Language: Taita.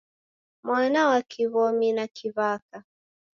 Mwana wa Kiw'omi na kiw'aka